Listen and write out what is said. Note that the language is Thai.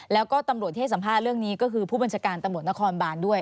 แล้วก็ตำรวจที่ให้สัมภาษณ์เรื่องนี้ก็คือผู้บัญชาการตำรวจนครบานด้วย